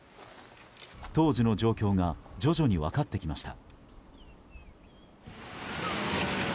当時の状況が徐々に分かってきました。